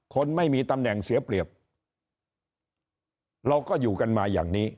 คนไม่มีตำแหน่งเสียเปรียบเราก็อยู่กันมาอย่างนี้